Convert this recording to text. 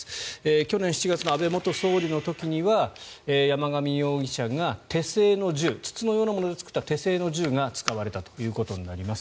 去年７月の安倍元総理の時には山上容疑者が手製の銃筒のようなもので作った手製の銃が使われたということになります。